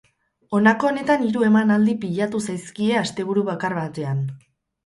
Honako honetan hiru emanaldi pilatu zaizkie asteburu bakar batean.